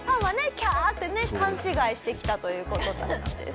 「キャーッ！」ってね勘違いしてきたという事だったんです。